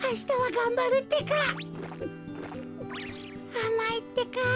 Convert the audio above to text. あまいってか。